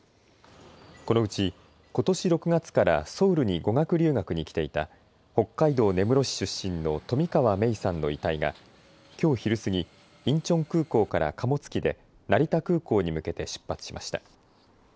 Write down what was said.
このうちことし６月からソウルに語学留学に来ていた北海道根室市出身の冨川芽生さんの遺体がきょう昼過ぎ、インチョン空港から貨物機で成田空港に向けて出発しました。